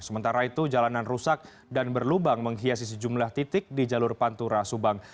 sementara itu jalanan rusak dan berlubang menghiasi sejumlah titik di jalur pantura subang